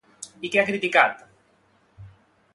I què ha criticat?